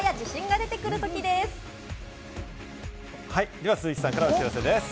では鈴木さんからお知らせです。